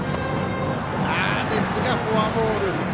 ですが、フォアボール！